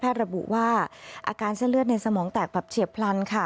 ระบุว่าอาการเส้นเลือดในสมองแตกแบบเฉียบพลันค่ะ